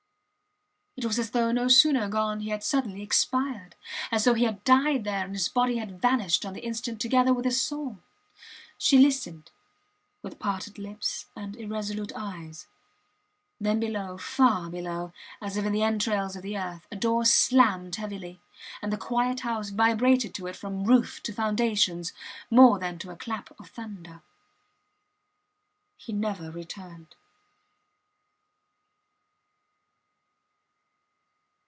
It was as though no sooner gone he had suddenly expired as though he had died there and his body had vanished on the instant together with his soul. She listened, with parted lips and irresolute eyes. Then below, far below her, as if in the entrails of the earth, a door slammed heavily; and the quiet house vibrated to it from roof to foundations, more than to a clap of thunder. He never returned.